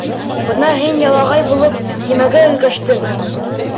Бына һин ялағай булып нимәгә өлгәштең?